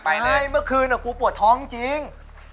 ไม่เมื่อคืนผมปวดท้องจริง